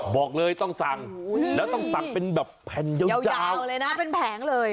บอกเลยต้องสั่งแล้วต้องสั่งเป็นแบบแผ่นยาวเลยนะเป็นแผงเลย